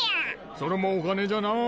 それもお金じゃない！